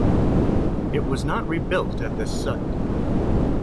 It was not rebuilt at this site.